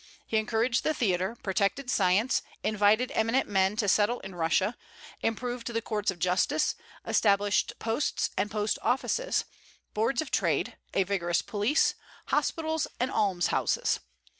He encouraged the theatre, protected science, invited eminent men to settle in Russia, improved the courts of justice, established posts and post offices, boards of trade, a vigorous police, hospitals, and alms houses.